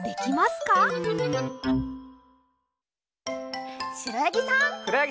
くろやぎさん。